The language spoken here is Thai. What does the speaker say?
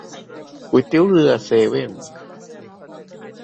ก๋วยเตี๋ยวเรือเซเว่น